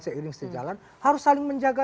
seiring sejalan harus saling menjaga